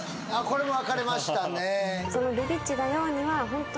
これも分かれましたね